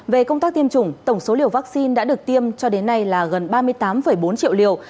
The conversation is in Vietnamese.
về công tác tiêm chủng tổng số liều vaccine đã được tiêm cho đến nay là gần ba mươi tám bốn triệu liều